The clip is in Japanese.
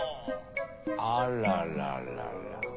あらららら。